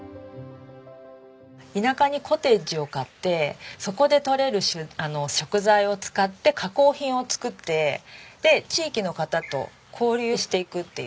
田舎にコテージを買ってそこでとれる食材を使って加工品を作ってで地域の方と交流していくっていう。